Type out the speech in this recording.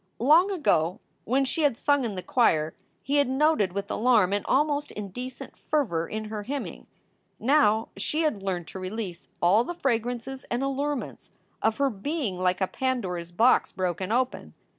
Long ago, when she had sung in the choir, he had noted with alarm an almost indecent fervor in her hymning. Now she had learned to release all the fragrances and allurements of her being like a Pandora s box broken open.